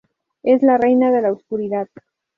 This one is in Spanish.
Es la reina de la oscuridad.